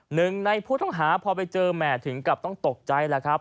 หนึ่งในผู้ต้องหาพอไปเจอแหม่ถึงกับต้องตกใจแหละครับ